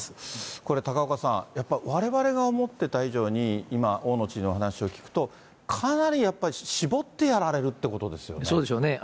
これ、高岡さん、やっぱわれわれが思ってた以上に、今、大野知事のお話を聞くと、かなりやっぱり、絞ってやられるというそうでしょうね。